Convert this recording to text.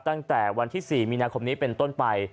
ตั้งแต่วันที่๔มีนาคมนี้เป็นต้นไป